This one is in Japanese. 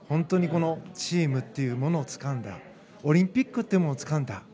このチームというものをつかんだオリンピックというものをつかんだ。